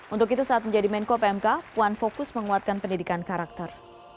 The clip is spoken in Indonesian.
untuk itu saat menjadi menko pmk puan fokus menguatkan pendidikan karakter